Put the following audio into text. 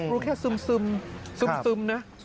รู้แค่ซึมซึมนะ